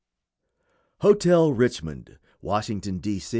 ] HOTEL RICHMOND, WASHINGTON, D.